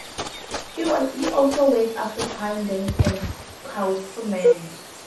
He also worked after Pine, Dance and Kauffman.